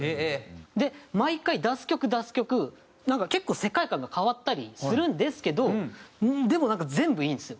で毎回出す曲出す曲なんか結構世界観が変わったりするんですけどでもなんか全部いいんですよ。